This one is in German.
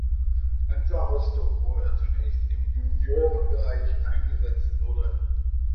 Hansa Rostock, wo er zunächst im Juniorenbereich eingesetzt wurde.